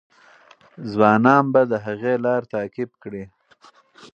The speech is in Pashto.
ځوانان به د هغې لار تعقیب کړي.